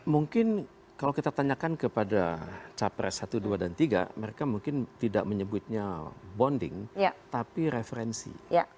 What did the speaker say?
mungkin kalau kita tanyakan kepada capres satu dua dan tiga mereka mungkin tidak menyebutnya bonding tapi referensi